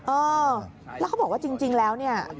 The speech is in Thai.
เออแล้วเขาบอกว่าจริงแล้วเนี่ย